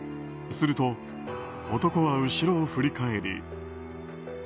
すると、男は後ろを振り返り。